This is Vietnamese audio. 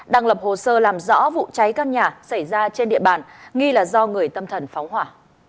đang lập hồ sơ làm rõ vụ cháy căn nhà xảy ra trên địa bàn nghi là do người tâm thần phóng hỏa